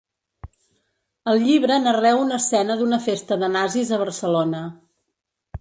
Al llibre narreu una escena d’una festa de nazis a Barcelona.